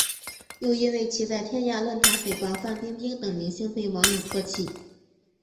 又因为其在天涯论坛诽谤范冰冰等明星被网友唾弃。